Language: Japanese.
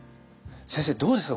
先生どうですか？